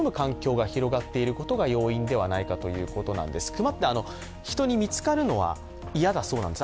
熊って人に見つかるのは嫌だそうなんです。